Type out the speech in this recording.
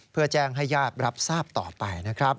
เพื่อแจ้งให้ญาติรับทราบต่อไปนะครับ